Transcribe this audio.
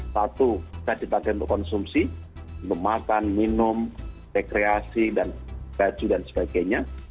satu bisa dipakai untuk konsumsi memakan minum rekreasi dan baju dan sebagainya